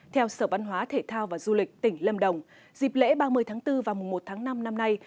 theo sở văn hóa thể thao và du lịch tỉnh lâm đồng dịp lễ ba mươi tháng bốn và mùa một tháng năm năm nay